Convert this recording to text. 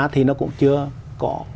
thì nó cũng chưa có